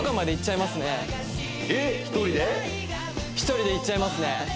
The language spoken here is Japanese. １人で行っちゃいますね